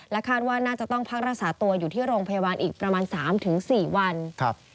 คาดว่าน่าจะต้องพักรักษาตัวอยู่ที่โรงพยาบาลอีกประมาณ๓๔วัน